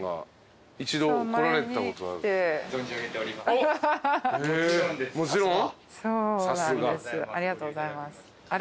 ありがとうございます。